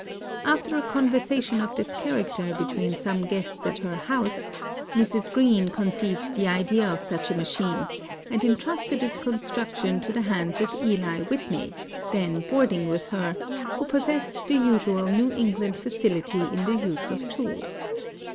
After a conversation of this character between some guests at her house, Mrs. Greene conceived the idea of such a machine, and intrusted its construction to the hands of Eli Whitney, then boarding with her, who possessed the usual New England facility in the use of tools.